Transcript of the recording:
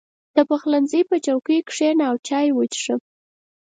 • د پخلنځي په چوکۍ کښېنه او چای وڅښه.